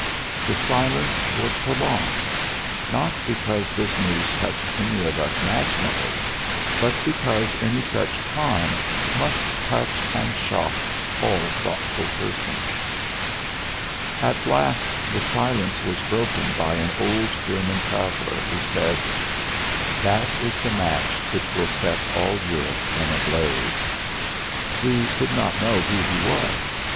The silence was prolonged, not because this news touched any of us nationally but because any such crime must touch and shock all thoughtful persons. At last the silence was broken by an old German traveler, who said: "That is the match which will set all Europe in a blaze." We did not know who he was.